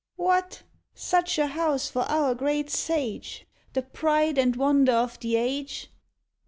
"What! such a house for our great sage, The pride and wonder of the age!"